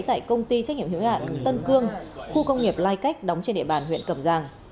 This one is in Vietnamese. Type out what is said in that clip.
tại công ty trách nhiệm hiệu hạn tân cương khu công nghiệp lai cách đóng trên địa bàn huyện cầm giang